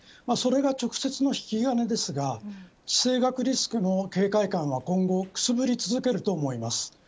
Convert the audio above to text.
それが直接の引き金ですが地政学リスクの警戒感は今後くすぶり続けると思います。